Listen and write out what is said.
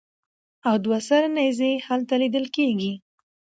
او دوه سرې نېزې هلته لیدلې کېږي.